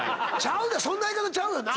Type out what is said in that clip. そんな言い方ちゃうよな？